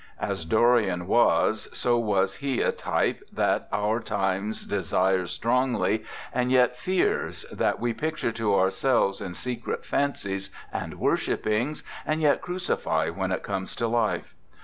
As Dorian was, so was he a type that our 92 FRANZ BLEI times desires strongly and yet fears, that we picture to ourselves in secret fancies and worshippings and yet crucify when it comes to life.